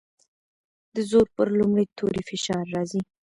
د زور پر لومړي توري فشار راځي.